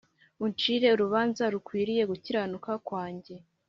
uncire urubanza rukwiriye gukiranuka kwanjye